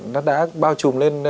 nó đã bao trùm lên